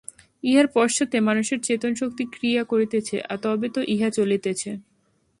ইহার পশ্চাতে মানুষের চেতনশক্তি ক্রিয়া করিতেছে, তবে তো ইহা চলিতেছে।